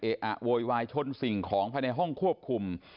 อะโวยวายชนสิ่งของภายในห้องควบคุม